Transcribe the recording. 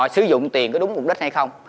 sử dụng tiền có đúng mục đích hay không